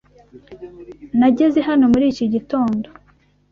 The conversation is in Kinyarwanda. Nageze hano muri iki gitondo.